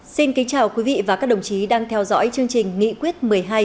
xin kính chào quý vị và các đồng chí đang theo dõi chương trình nghị quyết một mươi hai